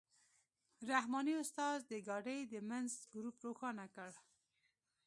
رحماني استاد د ګاډۍ د منځ ګروپ روښانه کړ.